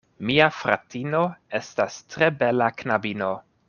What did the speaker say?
Mia fratino estas tre bela knabino.